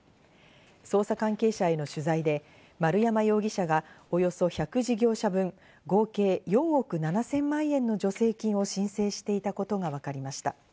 捜査関係者への取材で、丸山容疑者がおよそ１００事業者分、合計４億７０００万円の助成金を申請していたことがわかりました。